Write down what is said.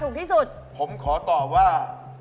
โปรดติดตามต่อไป